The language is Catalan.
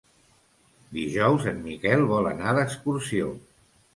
Dijous en Miquel vol anar d'excursió.